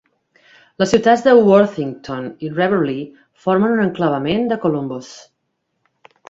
Les ciutats de Worthington i Riverlea formen un enclavament de Columbus.